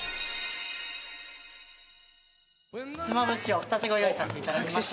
ひつまぶしをお二つご用意させていただきました。